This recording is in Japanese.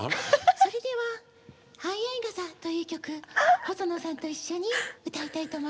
それでは「相合傘」という曲細野さんと一緒に歌いたいと思います。